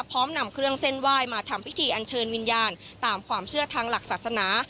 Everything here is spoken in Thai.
พร้อมนำเครื่องเส้นไหว้มาทำพิธีอันเชิญวิญญาณตามความเชื่อทางหลักศาสนา